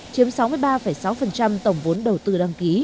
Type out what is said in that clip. chiếm sáu mươi ba sáu trong năm hai nghìn hai mươi